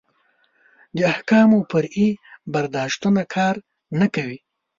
د احکامو فرعي برداشتونه کار نه کوي.